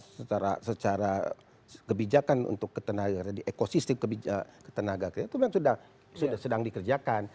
secara kebijakan untuk ekosistem tenaga kerja itu sudah sedang dikerjakan